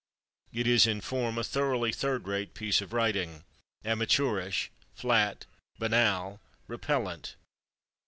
It is, in form, a thoroughly third rate piece of writing—amateurish, flat, banal, repellent.